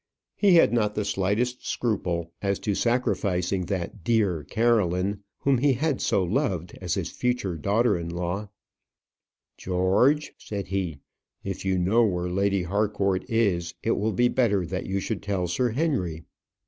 He had not the slightest scruple as to sacrificing that "dear Caroline" whom he had so loved as his future daughter in law. "George," said he, "if you know where Lady Harcourt is, it will be better that you should tell Sir Henry.